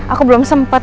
aku belum sempet